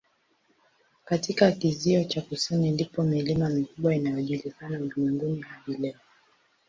Katika kizio cha kusini ndipo milima mikubwa inayojulikana ulimwenguni hadi leo.